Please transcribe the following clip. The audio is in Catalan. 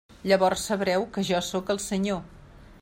Llavors sabreu que jo sóc el Senyor.